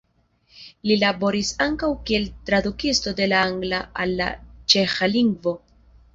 Li laboris ankaŭ kiel tradukisto de la angla al la ĉeĥa lingvo.